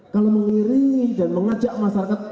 kalau mengiringi dan mengajak masyarakat